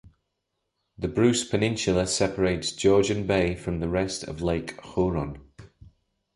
The Bruce Peninsula separates Georgian Bay from the rest of Lake Huron.